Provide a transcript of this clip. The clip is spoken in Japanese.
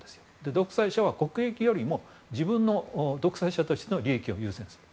独裁者は国益よりも自分の独裁者としての利益を優先する。